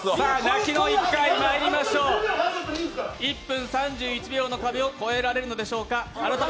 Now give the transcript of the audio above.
泣きの一回まいりましょう１分３１秒の壁を越えられるのでしょうか。